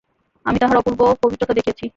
আমি তাঁহার অপূর্ব পবিত্রতা দেখিয়াছি।